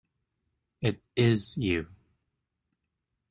It "is" you.